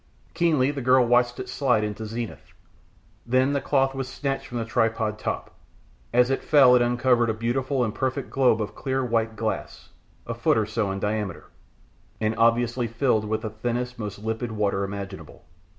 Keenly the girl watched it slide into zenith, then the cloth was snatched from the tripod top. As it fell it uncovered a beautiful and perfect globe of clear white glass, a foot or so in diameter, and obviously filled with the thinnest, most limpid water imaginable.